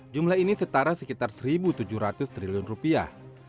jumlah ini setara sekitar satu tujuh ratus triliun rupiah